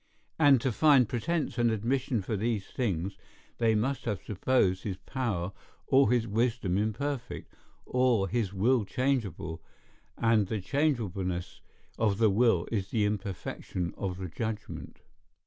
And to find pretence and admission for these things, they must have supposed his power or his wisdom imperfect, or his will changeable; and the changeableness of the will is the imperfection of the judgement.